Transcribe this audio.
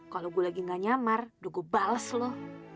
kalau gue lagi gak nyamar udah gue bales lo